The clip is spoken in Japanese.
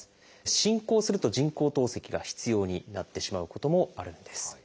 進行すると人工透析が必要になってしまうこともあるんです。